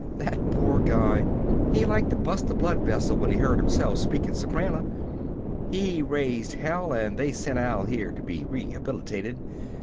That poor guy, he liked to busted a blood vessel when he heard himself speakin' soprano. He raised hell and they sent Al here to be rehabilitated.